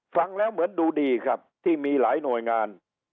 ฟังแล้วเหมือนดูดีครับที่มีหลายหน่วยงาน